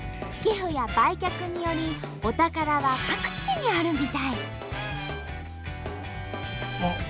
寄付や売却によりお宝は各地にあるみたい。